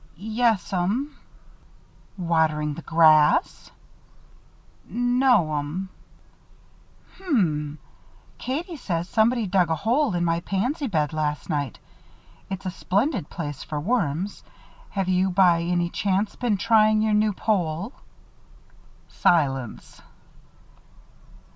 "Yes'm." "Watering the grass?" "No'm." "Hum Katie says somebody dug a hole in my pansy bed last night. It's a splendid place for worms. Have you, by any chance, been trying your new pole?" Silence.